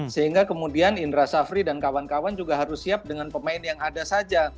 sehingga kemudian indra safri dan kawan kawan juga harus siap dengan pemain yang ada saja